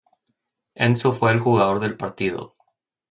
Enzo fue el jugador del partido.